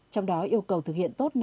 trong đó yêu cầu thực hiện tốt năm